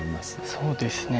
そうですね。